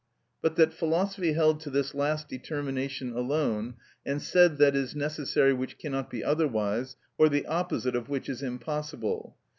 But that philosophy held to this last determination alone, and said that is necessary which cannot be otherwise, or the opposite of which is impossible.